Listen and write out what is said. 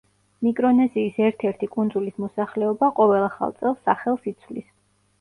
მიკრონეზიის ერთ–ერთი კუნძულის მოსახლეობა ყოველ ახალ წელს სახელს იცვლის.